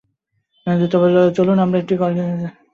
চলুন, আমরা আগে কয়েকটি ছবি দেখে নিই, ইতিহাস থাকুক আমাদের সঙ্গী হয়ে।